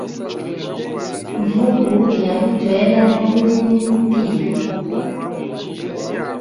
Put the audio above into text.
Mvubu yalʼuchwela mubulimi butia.